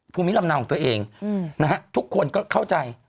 ภูมิลำเนาของตัวเองนะฮะทุกคนก็เข้าใจ